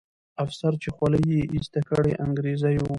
افسر چې خولۍ یې ایسته کړه، انګریزي وو.